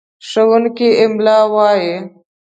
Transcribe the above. ښوونکی املا وايي.